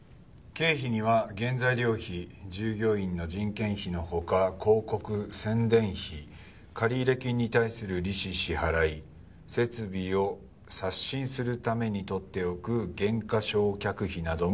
「経費には原材料費従業員の人件費の他広告・宣伝費借入金に対する利子支払い設備を刷新するために取っておく減価償却費なども含まれる」